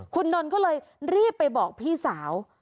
คุณนนท์ก็เลยรีบไปบอกพี่สาว